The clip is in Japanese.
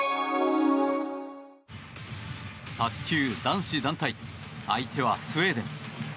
卓球男子団体相手はスウェーデン。